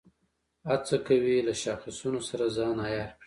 هڅه کوي له شاخصونو سره ځان عیار کړي.